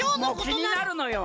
もうきになるのよ！